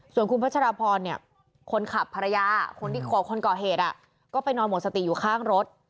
ส่วนคุณพัชรพรเนี่ยคนขับภรรยาคนที่คนก่อเหตุก็ไปนอนหมดสติอยู่ข้างรถ